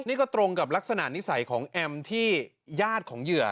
นี่ก็ตรงกับลักษณะนิสัยของแอมที่ญาติของเหยื่อ